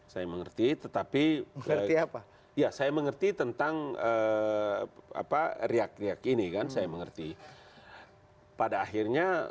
saya mengerti tetapi ya saya mengerti tentang apa riak riak ini kan saya mengerti pada akhirnya